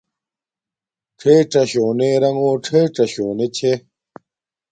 ڞݵڅݳ شݸنݺ رݣݸ ڞݵڅݳ شݸنݺ چھݺ.